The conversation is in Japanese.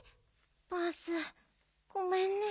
バースごめんね。